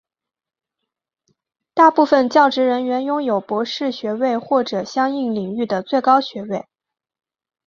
大部分教职人员拥有博士学位或者相应领域的最高学位。